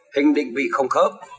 hình định vị không khớp